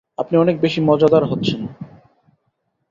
আপনি অনেক বেশি মজাদার হচ্ছেন।